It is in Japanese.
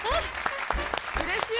うれしい。